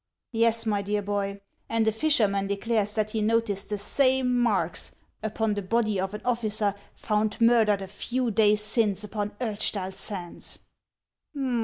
" Yes, my dear boy ; and a fisherman declares that he noticed the same marks upon the body of an officer found murdered a few days since upon Urchtal Sands."